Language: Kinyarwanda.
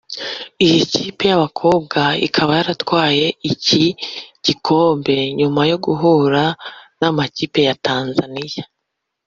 Iyi kipe y’abakobwa ikaba yaratwaye iki gikombe nyuma yo guhura n’amakipe ya Tanzania